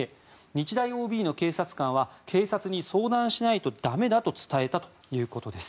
日大ＯＢの警察官は警察に相談しないとだめだと伝えたということです。